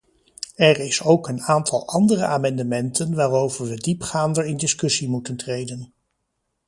Er is ook een aantal andere amendementen waarover we diepgaander in discussie moeten treden.